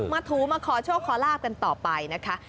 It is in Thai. ถูมาขอโชคขอลาบกันต่อไปนะคะ